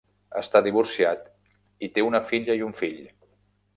Està divorciat i té una filla i un fill.